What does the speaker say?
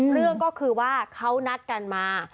เรื่องก็คือว่าเขานัดกันมา